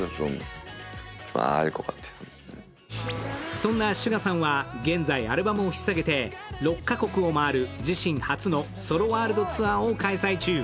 そんなＳＵＧＡさんは現在、アルバムをひっ提げて６か国を回る自身初のソロワールドツアーを開催中。